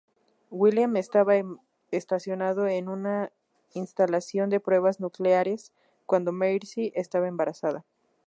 William estaba estacionado en una instalación de pruebas nucleares cuando Marcy estaba embarazada.